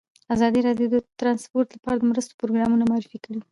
ازادي راډیو د ترانسپورټ لپاره د مرستو پروګرامونه معرفي کړي.